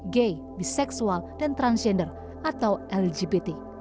gay biseksual dan transgender atau lgbt